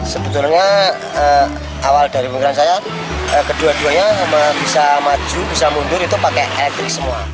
sebetulnya awal dari pemerintahan saya kedua duanya bisa maju bisa mundur itu pakai etik semua